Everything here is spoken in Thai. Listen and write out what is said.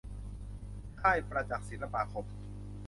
ค่ายประจักษ์ศิลปาคม